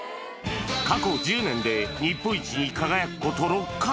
過去１０年で日本一に輝くこと６回。